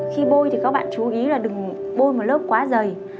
khi bôi thì các bạn chú ý là đừng bôi một lớp quá dày